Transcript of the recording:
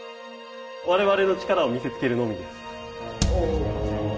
我々の力を見せつけるのみです。